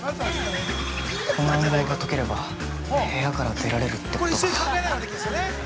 この暗号が解ければ部屋から出られるってことか。